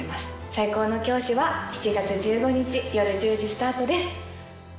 『最高の教師』は７月１５日夜１０時スタートです！